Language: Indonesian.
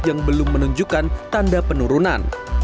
yang belum menunjukkan tanda penurunan